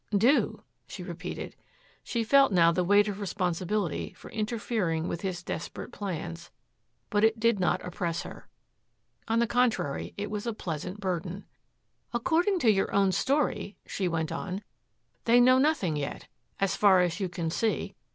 "Do?" she repeated. She felt now the weight of responsibility for interfering with his desperate plans, but it did not oppress her. On the contrary, it was a pleasant burden. "According to your own story," she went on, "they know nothing yet, as far as you can see.